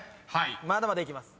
まだまだいけます。